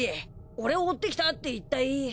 俺を追ってきたっていったい。